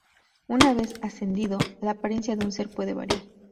Una vez ascendido, la apariencia de un ser puede variar.